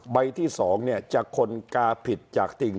ใบที่๒เนี่ยจะคนกาผิดจากติ่ง